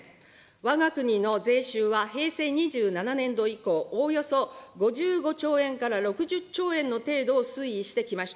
わが国の税収は平成２７年度以降、おおよそ５５兆円から６０兆円の程度を推移してきました。